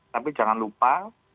tapi jangan lupa